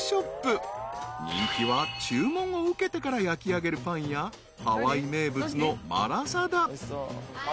［人気は注文を受けてから焼きあげるパンやハワイ名物のマラサダ］